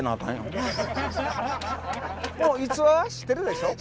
もう逸話は知ってるでしょ。